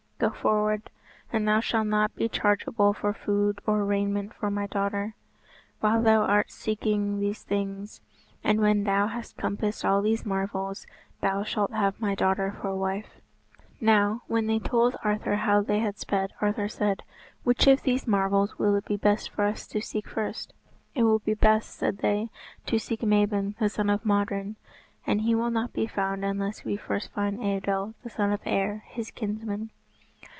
"Go forward. And thou shalt not be chargeable for food or raiment for my daughter while thou art seeking these things; and when thou hast compassed all these marvels, thou shalt have my daughter for wife." Now, when they told Arthur how they had sped, Arthur said, "Which of these marvels will it be best for us to seek first?" "It will be best," said they, "to seek Mabon the son of Modron; and he will not be found unless we first find Eidoel, the son of Aer, his kinsman."